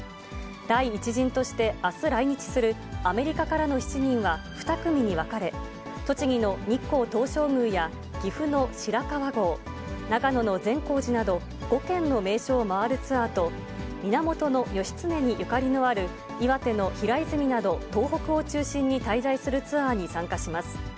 第１陣として、あす来日するアメリカからの７人は２組に分かれ、栃木の日光東照宮や岐阜の白川郷、長野の善光寺など、５県の名所を回るツアーと、源義経にゆかりのある岩手の平泉など、東北を中心に滞在するツアーに参加します。